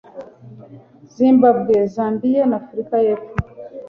zimbabwe, zambia na afurika y' epfo